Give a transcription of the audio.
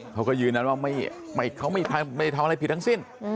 เขาก็ยืนยันว่าเขาไม่ทำอะไรผิดทั้งสิ้น